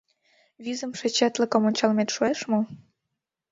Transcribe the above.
— Визымше четлыкым ончалмет шуэш мо?